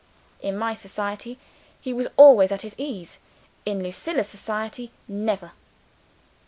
In my society, he was always at his ease. In Lucilla's society, never!